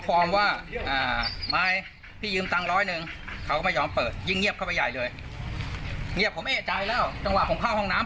โดนปืนตบครับเพราะว่าเขาวิ่งชาร์จผมครับ